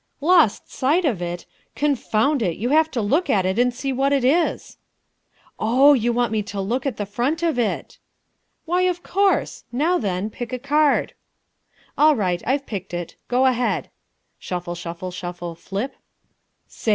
"Lost sight of it! Confound it, you have to look at it and see what it is." "Oh, you want me to look at the front of it!" "Why, of course! Now then, pick a card." "All right. I've picked it. Go ahead." (Shuffle, shuffle, shuffle flip.)